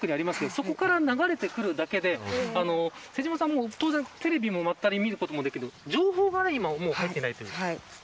そこから流れてくるだけで瀬下さんも当然テレビもまったく見ることができない、情報が入っていないということですね。